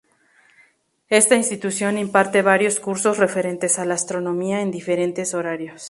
Esta institución imparte varios cursos referentes a la astronomía en diferentes horarios.